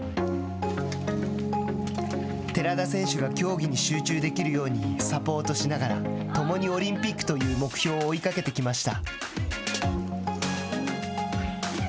寺田選手が競技に集中できるようにサポートしながら共にオリンピックという目標を追いかけてきました。